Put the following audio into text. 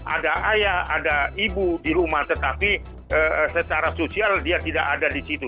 ada ayah ada ibu di rumah tetapi secara sosial dia tidak ada di situ